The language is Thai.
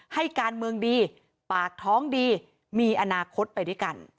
ให้การเมืองดีปากท้องดีมีอนาคตไปด้วยกัน